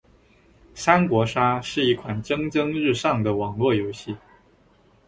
三国杀是一款蒸蒸日上的网络游戏。